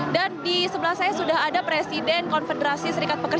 dan di sebelah saya sudah ada presiden konfederasi serikat pekerjaan